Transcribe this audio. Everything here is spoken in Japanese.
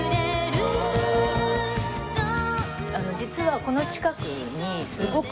実はこの近くにすごく。